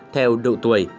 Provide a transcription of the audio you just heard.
theo độ tuổi